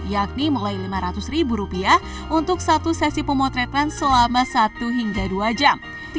yakni mulai lima ratus ribu rupiah untuk satu sesi pemotretan selama satu hingga dua jam